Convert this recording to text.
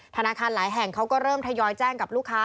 ธนาคารหลายแห่งเขาก็เริ่มทยอยแจ้งกับลูกค้า